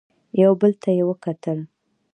يو بل ته يې وکتل.